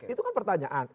itu kan pertanyaan